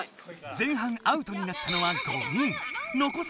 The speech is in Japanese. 前半ＯＵＴになったのは５人。